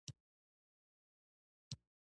د پوهې په لاره کې ستونزې شته.